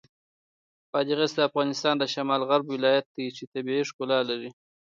بادغیس د افغانستان د شمال غرب ولایت دی چې د طبیعت ښکلا لري.